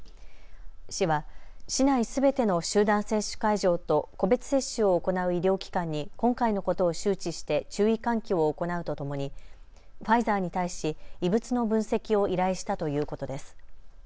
市は市内すべての集団接種会場と個別接種を行う医療機関に今回のことを周知して注意喚起を行うとともにファイザーに対し異物の分析を依頼したということです。